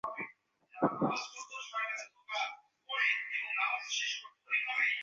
তিনি মাতাপিতার তৃতীয় পুত্র ছিলেন।